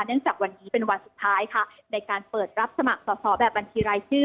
จากวันนี้เป็นวันสุดท้ายค่ะในการเปิดรับสมัครสอบแบบบัญชีรายชื่อ